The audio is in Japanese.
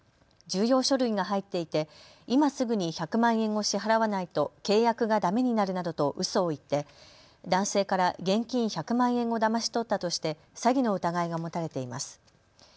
重要書類が入っていて今すぐに１００万円を支払わないと契約がだめになるなどとうそを言って男性から現金１００万円をだまし取ったとして詐欺の疑いが持たれています。